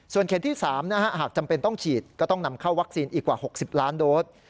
ส่วนเข็มที่๓หากจำเป็นต้องฉีดก็ต้องนำเข้าวัคซีนอีกกว่า๖๐ล้านโดส